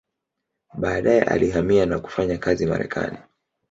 Baadaye alihamia na kufanya kazi Marekani.